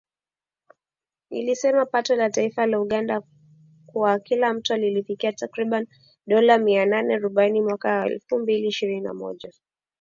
Ilisema pato la taifa la Uganda kwa kila mtu lilifikia takriban dola mia nane arobaini mwaka wa elfu mbili ishirini na moja